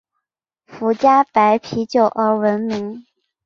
福佳白啤酒而闻名。